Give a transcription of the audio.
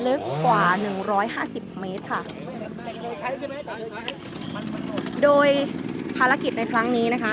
ลึกกว่าหนึ่งร้อยห้าสิบเมตรค่ะโดยภารกิจในครั้งนี้นะคะ